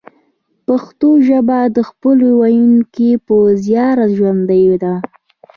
پښتو ژبه د خپلو ویونکو په زیار ژوندۍ ده